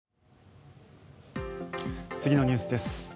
次のニュースです。